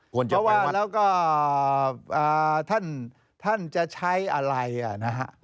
เพราะว่าแล้วก็ท่านจะใช้อะไรนะฮะ